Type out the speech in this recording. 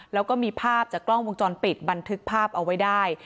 แล้วก็มีภาพจากกล้องวงจรปิดบันทึกภาพเอาไว้ได้